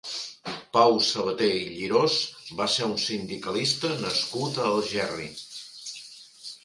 Pau Sabater i Llirós va ser un sindicalista nascut a Algerri.